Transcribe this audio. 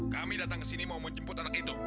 kami datang ke sini mau menjemput anak itu